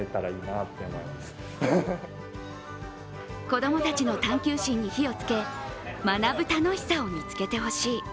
子供たちの探究心に火をつけ学ぶ楽しさを見つけてほしい。